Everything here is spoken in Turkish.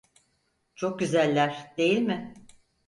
Çok güzeller, değil mi?